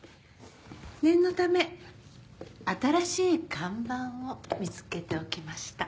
念のため新しい看板を見つけておきました。